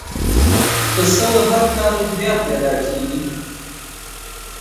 پسه هر کال بیا پیدا کېږي.